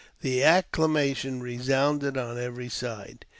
The acclamations resounded on every side.